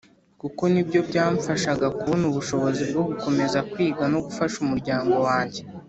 kuko ni byo byamfashaga kubona ubushobozi bwo gukomeza kwiga no gufasha umuryango wange.